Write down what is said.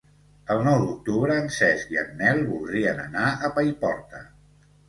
El nou d'octubre en Cesc i en Nel voldrien anar a Paiporta.